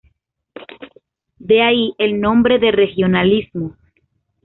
De ahí el nombre de regionalismo.